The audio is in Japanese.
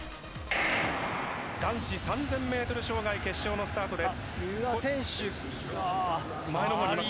男子３０００ｍ障害決勝のスタートです。